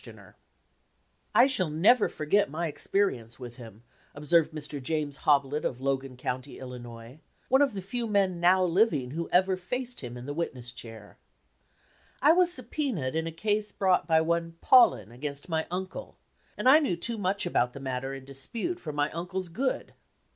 TO 73 e =• 3 t S o o THE CROSS EXAMINER "I shall never forget my experience with him," observed Mr. James Hoblit of Logan County, Illinois, one of the few men now living who ever faced him in the witness chair. "I was sub poenaed in a case brought by one Paullin against my uncle, and I knew too much about the matter in dispute for my uncle's good.